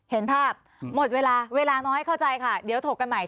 เห็นภาพหมดเวลาเวลาน้อยเข้าใจค่ะเดี๋ยวถกกันใหม่